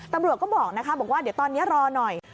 ตำรวจก็บอกว่าเดี๋ยวตอนนี้รอหน่อย